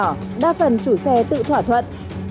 người dân không thể tự thỏa thuận